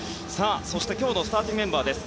そして今日のスターティングメンバーです。